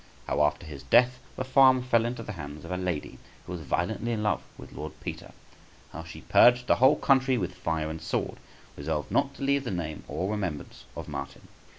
How, after his death, the farm fell into the hands of a lady {161b}, who was violently in love with Lord Peter. How she purged the whole country with fire and sword, resolved not to leave the name or remembrance of Martin.